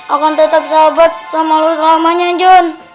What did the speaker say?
akan tetap sahabat sama lu selamanya john